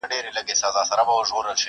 • زموږ کاروان ګوره په سپینه ورځ لوټېږي..